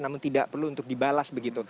namun tidak perlu untuk dibalas begitu